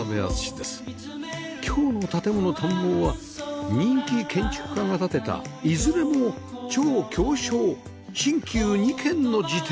今日の『建もの探訪』は人気建築家が建てたいずれも超狭小新旧２軒の自邸